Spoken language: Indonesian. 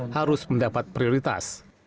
harus mendapatkan kepentingan